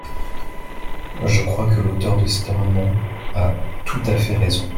Je crois que l’auteure de cet amendement a tout à fait raison.